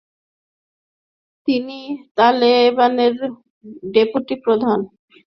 তিনি তালেবানের ডেপুটি প্রধান।